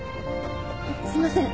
すいません